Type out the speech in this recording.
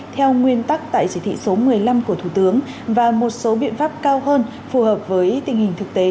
theo nguyên tắc tại chỉ thị số một mươi năm của thủ tướng và một số biện pháp cao hơn phù hợp với tình hình thực tế